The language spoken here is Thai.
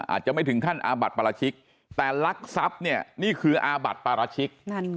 อาจจะไม่ถึงขั้นอาบัติปราชิกแต่ลักทรัพย์เนี่ยนี่คืออาบัติปราชิก